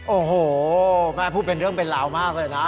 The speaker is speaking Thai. โอ้โหแม่พูดเป็นเรื่องเป็นราวมากเลยนะ